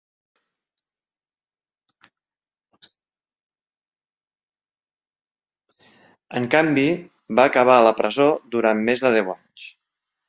En canvi, va acabar a la presó durant més de deu anys.